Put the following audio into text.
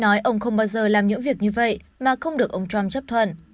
ông trump không bao giờ làm những việc như vậy mà không được ông trump chấp thuận